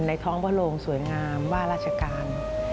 ท้องพระโรงสวยงามว่าราชการ